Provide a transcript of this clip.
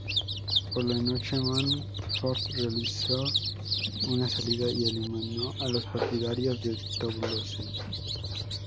Por la noche, Montfort realizó una salida y eliminó a los partidarios de Toulouse.